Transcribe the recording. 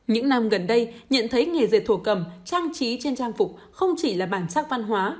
những năm gần đây nhận thấy nghề dệt thổ cầm trang trí trên trang phục không chỉ là bản sắc văn hóa